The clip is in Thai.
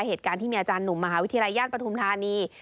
เหตุการณ์ที่มีอาจารย์หนุ่มมหาวิทยาลัยญาติปฐุมธานี